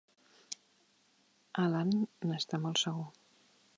Allan n'està molt segur.